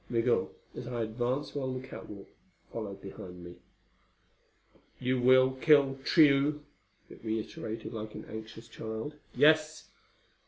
Migul, as I advanced along the catwalk, followed behind me. "You will kill Tugh?" it reiterated like an anxious child. "Yes."